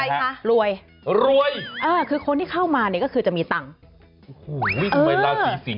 อะไรคะรวยคือคนที่เข้ามาเนี่ยก็คือจะมีเงิน